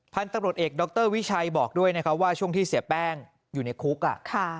พันธุ์ตำรวจเอกดรวิชัยบอกด้วยนะครับว่าช่วงที่เสียแป้งอยู่ในคุกอ่ะค่ะ